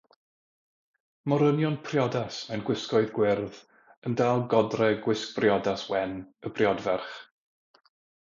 Morynion priodas mewn gwisgoedd gwyrdd yn dal godre gwisg briodas wen y briodferch.